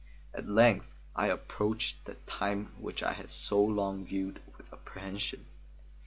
At length I approached that time which I had so long viewed with apprehension.